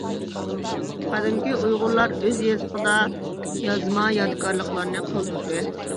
قەدىمكى ئۇيغۇرلار ئۆز يېزىقىدا يازما يادىكارلىقلارنى قالدۇردى.